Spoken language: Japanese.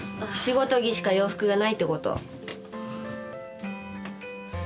仕事着しか洋服がないってこと？